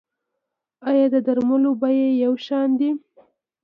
آیا د درملو بیې یو شان دي؟